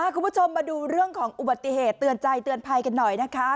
คุณผู้ชมมาดูเรื่องของอุบัติเหตุเตือนใจเตือนภัยกันหน่อยนะคะ